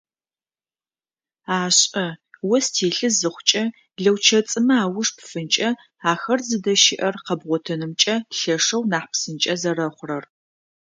Ашӏэ, ос телъы зыхъукӏэ лэучэцӏымэ ауж пфынкӏэ, ахэр зыдэщыӏэр къэбгъотынымкӏэ лъэшэу нахь псынкӏэ зэрэхъурэр.